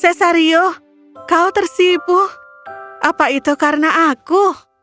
cesario kau tersipu apa itu karena aku